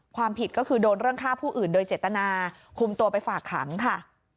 ความผิดก็คือโดนเรื่องฆ่าผู้อื่นโดยเจตนาคุมตัวไปฝากขังค่ะ